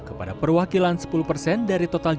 kepada perwakilan sepuluh persen dari total